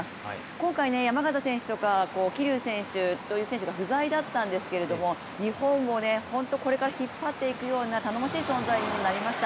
今回、山縣選手とか桐生選手という選手が不在だったんですけども日本をこれから引っ張っていくような頼もしい存在になりました。